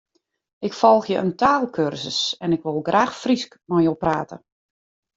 Ik folgje in taalkursus en ik wol graach Frysk mei jo prate.